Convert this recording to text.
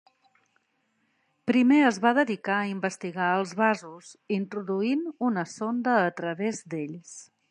Primer es va dedicar a investigar els vasos, introduint una sonda a través d'ells.